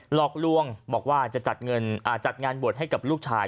หลอกลวงบอกว่าจะจัดงานบวชให้กับลูกชาย